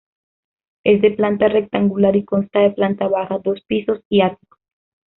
Es de planta rectangular y consta de planta baja, dos pisos y ático.